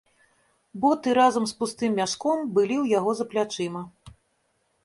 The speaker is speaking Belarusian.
Боты разам з пустым мяшком былі ў яго за плячыма.